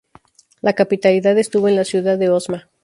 La capitalidad estuvo en la ciudad de Osma.